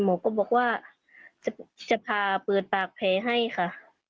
พ่อก็บอกว่าจะพาปืนปากเพลย์ให้ค่ะ